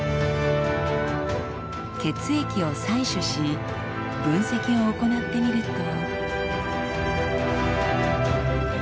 血液を採取し分析を行ってみると。